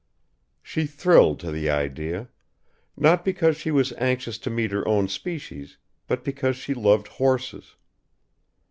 She thrilled to the idea, not because she was anxious to meet her own species but because she loved horses.